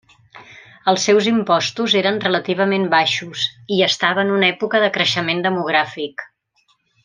Els seus impostos eren relativament baixos i estava en una època de creixement demogràfic.